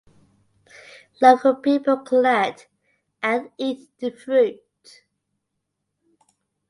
Local people collect and eat the fruit.